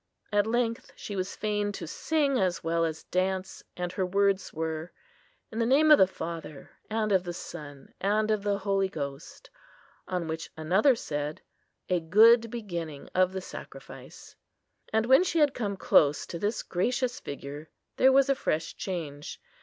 At length she was fain to sing as well as dance; and her words were, "In the name of the Father, and of the Son, and of the Holy Ghost;" on which another said, "A good beginning of the sacrifice." And when she had come close to this gracious figure, there was a fresh change.